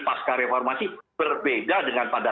pasca reformasi berbeda dengan pada